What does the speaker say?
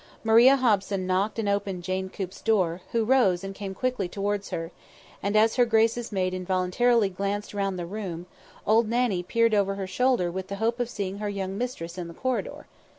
Maria Hobson knocked and opened Jane Coop's door, who rose and came quickly towards her; and as her grace's maid involuntarily glanced round the room, old Nannie peered over her shoulder with the hope of seeing her young mistress in the corridor.